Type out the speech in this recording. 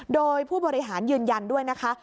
โดยผู้บริหารยืนยันด้วยนะคะ